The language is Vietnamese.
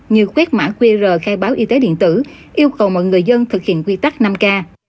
như quét mã qr khai báo y tế điện tử yêu cầu mọi người dân thực hiện quy tắc năm k